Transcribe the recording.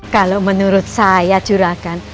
kalau menurut saya juragan